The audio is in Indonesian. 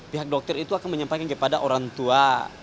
pihak dokter itu akan menyampaikan kepada orang tua